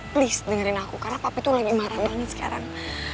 please dengerin aku karena papa itu lagi marah banget sekarang